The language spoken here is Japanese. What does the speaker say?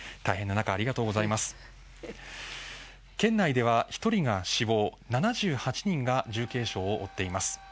大変な中、ありがとうございます県内では１人が死亡、７８人が重軽傷を負っています。